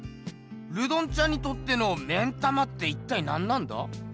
ルドンちゃんにとっての目ん玉って一体なんなんだ？